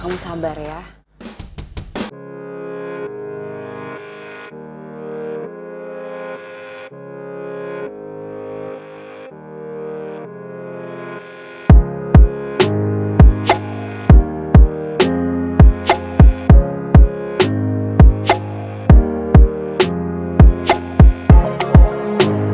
aduh ma macet lagi